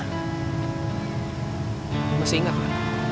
lo masih inget kan